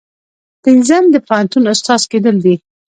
پنځم د پوهنتون استاد کیدل دي.